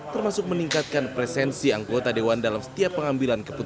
termasuk meningkatkan presensi anggota dewan dalam setiap pengambilan keputusan